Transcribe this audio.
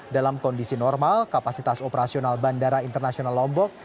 dalam kondisi normal kapasitas operasional bandara internasional lombok